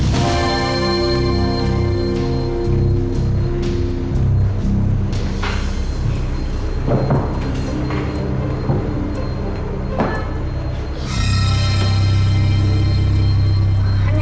dua jamur kebajikan